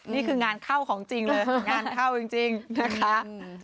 นี่คืองานเข้าของจริงเลยงานเข้าจริงนะคะ